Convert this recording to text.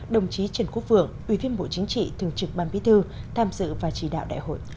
đồng chí trần quốc vượng ubnd thường trực ban bí thư tham dự và chỉ đạo đại hội